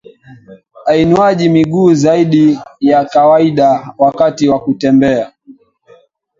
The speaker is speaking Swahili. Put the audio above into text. uinuaji miguu zaidi ya kawaida wakati wa kutembea